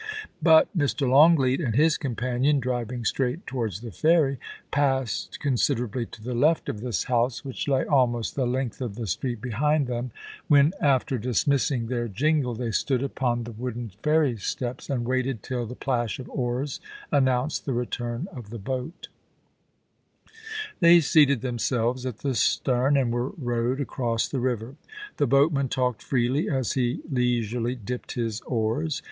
But Mr. Longleat and his companion, driving straight towards the ferry, passed considerably to the left of this house, which lay almost the length of the street behind them, when, after dismissing their jingle, they stood upon the 38 POLICY AND PASSION. wooden ferry steps, and waited till the plash of oars announced the return of the boat They seated themselves at the stem, and were rowed across the river. The boatman talked freely as he leisurely dipped his oars.